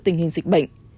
tình hình dịch bệnh